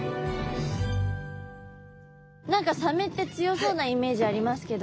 何かサメって強そうなイメージありますけど